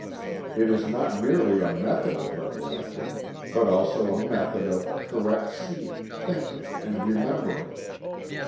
It is not merely a method of recollecting, but also a method of correct seeing, thinking and remembering.